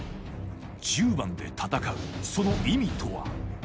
１０番で戦うその意味とは？